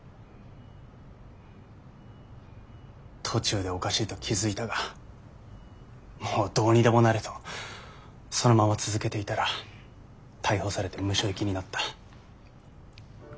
途中でおかしいと気付いたがもうどうにでもなれとそのまま続けていたら逮捕されてムショ行きになった。